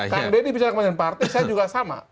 kan deddy bicarakan kepentingan partai saya juga sama